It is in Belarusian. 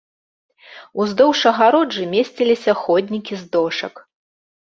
Уздоўж агароджы месціліся ходнікі з дошак.